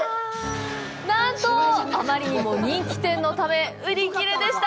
なんと、あまりにも人気店のため売り切れでした。